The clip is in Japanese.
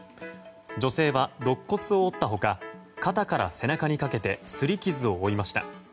女性はろっ骨を折った他肩から背中にかけて擦り傷を負いました。